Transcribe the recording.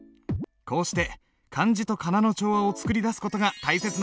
こうして漢字と仮名の調和を作り出す事が大切なんだ。